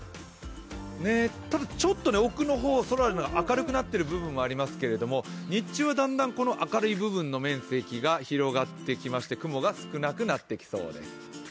ただ、ちょっと奥の方、空の明るくなっている部分がありますけれども、日中はだんだん、この明るい部分の面積が広がってきまして雲が少なくなってきそうです。